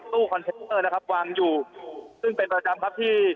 คอนเซนเตอร์นะครับวางอยู่ซึ่งเป็นประจำครับที่